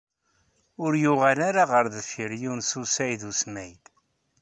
Ur yuɣal ara ɣer deffir Yunes u Saɛid u Smaɛil.